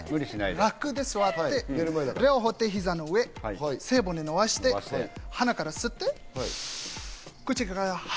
楽に座って両方手は膝の上、背骨を伸ばして、鼻から吸って口から、は。